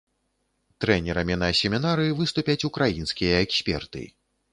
Трэнерамі на семінары выступяць украінскія эксперты.